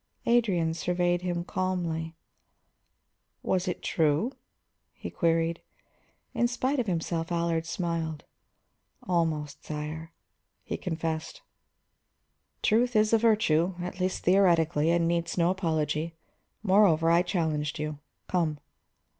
Adrian surveyed him calmly. "Was it true?" he queried. In spite of himself Allard smiled. "Almost, sire," he confessed. "Truth is a virtue, at least theoretically, and needs no apology. Moreover, I challenged you. Come."